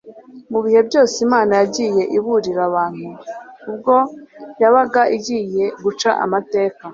Mu bihe byose Imana yagiye iburira abantu ubwo yabaga igiye guca amateka.